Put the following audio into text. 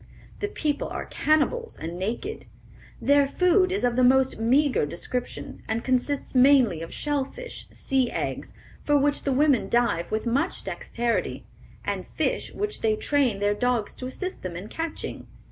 The people are cannibals, and naked. "Their food is of the most meagre description, and consists mainly of shell fish, sea eggs, for which the women dive with much dexterity, and fish, which they train their dogs to assist them in catching.